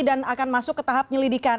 dan akan masuk ke tahap penyelidikan